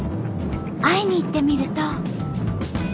会いに行ってみると。